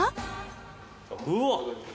うわっ！